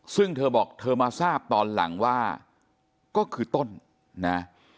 ซึ่งเธอบอกเธอมาทราบตอนหลังว่าก็คือต้นนะ